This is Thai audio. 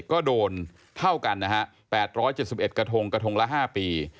ก็โดนเท่ากันนะครับ๘๗๑กระทงละ๕ปี